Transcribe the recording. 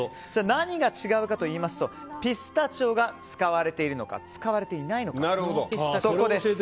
何が違うかといいますとピスタチオが使われているのか使われていないのか。